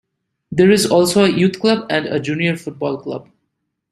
There is also a youth club and a junior football club.